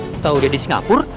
kalau dia di singapur